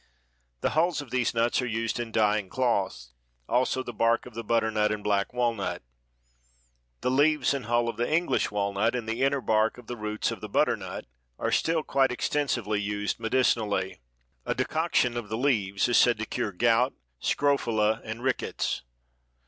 The hulls of these nuts are used in dyeing cloth; also the bark of the butternut and black walnut. The leaves and hull of the English walnut and the inner bark of the roots of the butternut are still quite extensively used medicinally. A decoction of the leaves is said to cure gout, scrofula and rickets.